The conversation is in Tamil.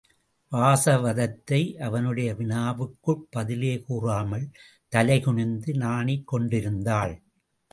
வாசவதத்தை அவனுடைய வினாவுக்குப் பதிலே கூறாமல் தலைகுனிந்து நாணிக் கொண்டிருந்தாள்.